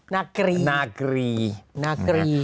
นากรี